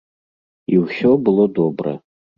І ўсё было добра!